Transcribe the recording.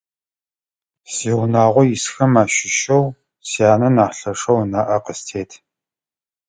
Сиунагъо исхэм ащыщэу сянэ нахь лъэшъэу ынаӏэ къыстет.